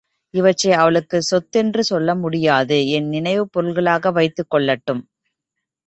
இவற்றை அவளுக்கு சொத்தென்று சொல்லமுடியாது, என் நினைவுப் பொருள்களாக வைத்துக்கொள்ளட்டும்.